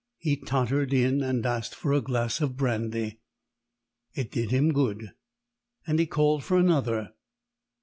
He tottered in and asked for a glass of brandy. It did him good, and he called for another.